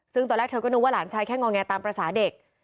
ซึ่งตอนแรกเธอก็นึกว่าหลานชายแค่งอแงตามภาษาเด็ก